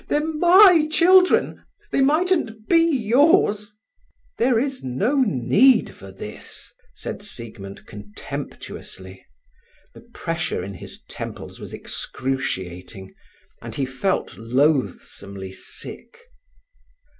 They're my children; they mightn't be yours." "There is no need for this," said Siegmund contemptuously. The pressure in his temples was excruciating, and he felt loathsomely sick.